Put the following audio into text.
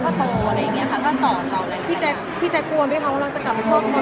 เขาก็โตอะไรอย่างเงี้ยค่ะก็สอนต่ออะไรอย่างเงี้ยค่ะ